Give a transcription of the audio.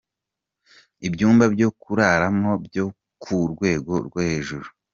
Ibyumba byo kuraramo byo ku rwego rwo hejuru ,.